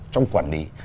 trong quản lý